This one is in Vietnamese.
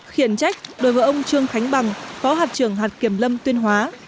khiển trách đối với ông trương khánh bằng phó hạt trưởng hạt kiểm lâm tuyên hóa